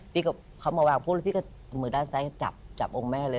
พี่ก็เขามาวางพูดแล้วพี่ก็มือด้านซ้ายก็จับจับองค์แม่เลย